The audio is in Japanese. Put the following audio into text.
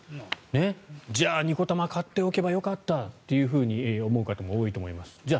じゃあ二子玉買っておけばよかったと思う方も多いと思います。